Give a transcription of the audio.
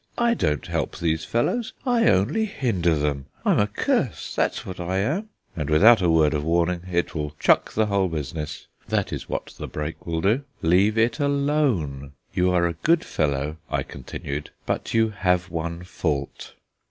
I don't help these fellows; I only hinder them. I'm a curse, that's what I am;' and, without a word of warning, it will 'chuck' the whole business. That is what that brake will do. Leave it alone. You are a good fellow," I continued, "but you have one fault."